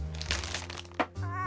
ああ。